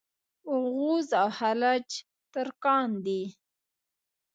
اوغوز او خَلَج ترکان دي.